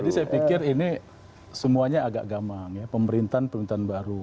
jadi saya pikir ini semuanya agak gaman ya pemerintahan pemerintahan baru